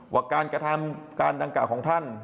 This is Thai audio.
ว่าการกระทำการดังกล่าวของท่าน